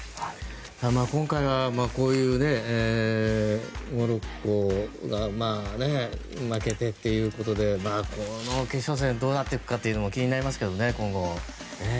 今回はモロッコが負けてということでこの決勝戦、どうなっていくかも気になりますけどね。